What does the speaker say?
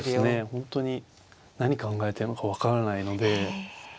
本当に何考えてるのか分からないので